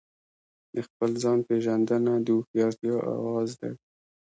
د خپل ځان پیژندنه د هوښیارتیا آغاز دی.